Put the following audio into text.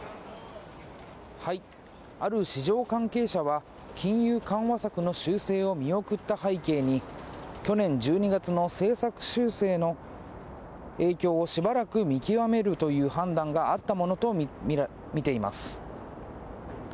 ある市場関係者は、金融緩和策の修正を見送った背景に、去年１２月の政策修正の影響をしばらく見極めるという判断があったものと見ています。